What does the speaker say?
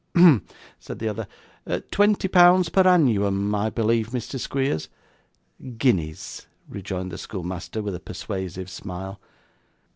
'Hem!' said the other. 'Twenty pounds per annewum, I believe, Mr Squeers?' 'Guineas,' rejoined the schoolmaster, with a persuasive smile.